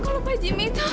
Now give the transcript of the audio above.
kalau pak jimmy itu